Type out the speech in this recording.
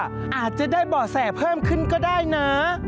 อาจจะได้บ่อแสเพิ่มขึ้นก็ได้นะ